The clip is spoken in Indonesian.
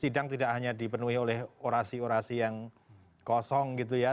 sidang tidak hanya dipenuhi oleh orasi orasi yang kosong gitu ya